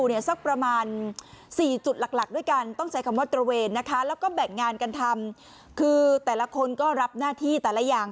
เห็นหมดเลยนะคะว่าทำอะไรบ้าง